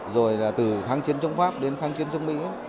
rồi là từ kháng chiến trong pháp đến kháng chiến trong mỹ